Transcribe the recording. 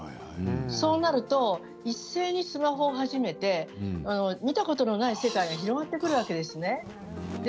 そうなると一斉にスマホを始めて見たことのない世界に広がってくるわけですね。